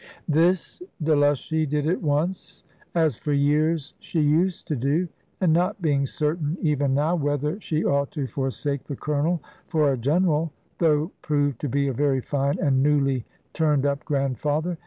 This Delushy did at once, as for years she used to do; and not being certain even now whether she ought to forsake the Colonel for a General, though proved to be a very fine and newly turned up Grandfather.